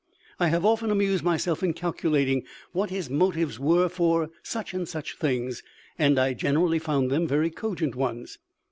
I have often amused myself in calculating what his motives were for such and such things, and I generally found them very cogent ones.